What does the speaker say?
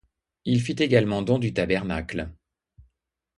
Il fit également don du tabernacle.